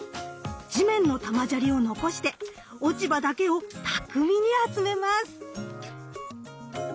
地面の玉砂利を残して落ち葉だけを巧みに集めます。